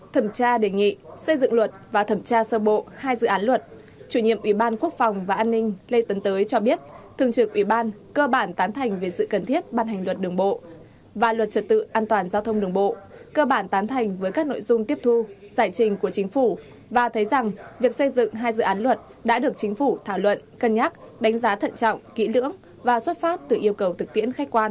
thẩm tra đề nghị xây dựng luật và thẩm tra sơ bộ hai dự án luật chủ nhiệm ủy ban quốc phòng và an ninh lê tấn tới cho biết thường trực ủy ban cơ bản tán thành về sự cần thiết ban hành luật đường bộ và luật trật tự an toàn giao thông đường bộ cơ bản tán thành với các nội dung tiếp thu giải trình của chính phủ và thấy rằng việc xây dựng hai dự án luật đã được chính phủ thảo luận cân nhắc đánh giá thận trọng kỹ lưỡng và xuất phát từ yêu cầu thực tiễn khách quan